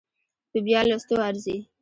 په بيا لوستو ارزي